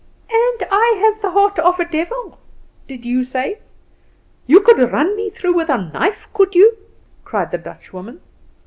"And I have the heart of a devil, did you say? You could run me through with a knife, could you?" cried the Dutchwoman.